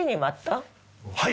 はい！